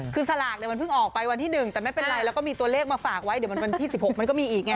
คือสลากเนี่ยมันเพิ่งออกไปวันที่๑แต่ไม่เป็นไรแล้วก็มีตัวเลขมาฝากไว้เดี๋ยวมันวันที่๑๖มันก็มีอีกไง